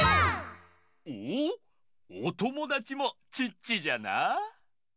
おおおともだちもチッチじゃな。